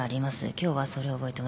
今日はそれを覚えてもらいます。